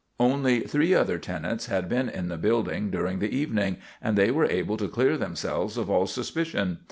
Only three other tenants had been in the building during the evening, and they were able to clear themselves of all suspicion.